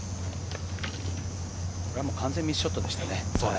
完全にミスショットでしたね。